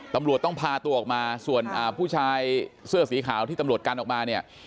ตำรวจต้องพาตัวออกมาส่วนผู้ชายเสื้อสีขาวที่ตำรวจกันออกมาเนี่ย